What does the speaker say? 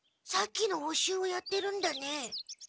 さっきの補習をやってるんだね。